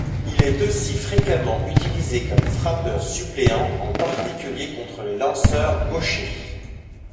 Il est aussi fréquemment utilisé comme frappeur suppléant, en particulier contre les lanceurs gauchers.